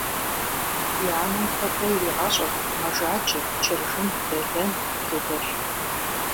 И анэм куэдрэ иригъэщӏырт мэжаджэ, чыржын, дэлэн, лы дэлъу.